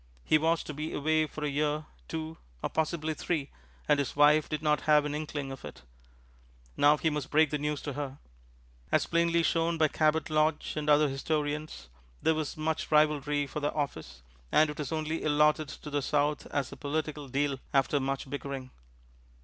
He was to be away for a year, two, or possibly three, and his wife did not have an inkling of it. Now, he must break the news to her. As plainly shown by Cabot Lodge and other historians, there was much rivalry for the office, and it was only allotted to the South as a political deal after much bickering.